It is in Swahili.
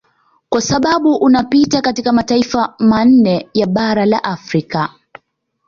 Kwa sababu unapita katika mataifa manne ya bara la Afrika